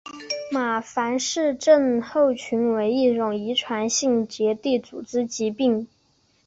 马凡氏症候群为一种遗传性结缔组织疾病。